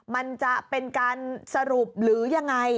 มันจะเป็นการสรุปหรือยังไง